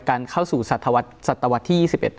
การเข้าสู่ศตวรรษที่๒๑